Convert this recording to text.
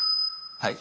はい。